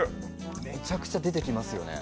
めちゃくちゃ出てきますよね。